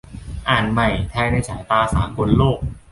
อ่านใหม่ : ไทยในสายตาสากลโลก